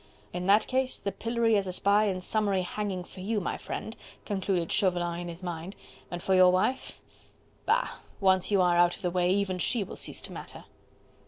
"In that case the pillory as a spy and summary hanging for you, my friend," concluded Chauvelin in his mind, "and for your wife... Bah, once you are out of the way, even she will cease to matter."